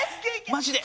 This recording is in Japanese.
マジで。